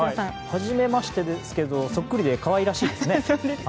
初めましてですけどそっくりで可愛らしいですね。